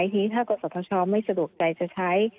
ทีนี้ถ้ากษัตริย์ท้อชอไม่สะดวกใจจะใช้